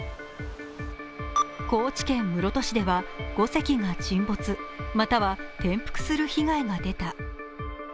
高知県室戸市では５隻が沈没、または沈没する被害が出た。